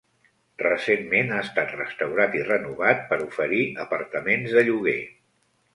Recentment ha estat restaurat i renovat per oferir apartaments de lloguer.